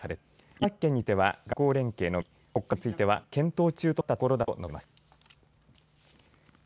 茨城県については学校連携のみ北海道については検討中となったことだと述べました。